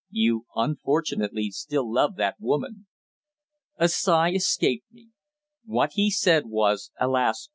You unfortunately still love that woman." A sigh escaped me. What he said was, alas!